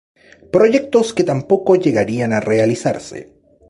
Proyectos que tampoco llegarían a realizarse.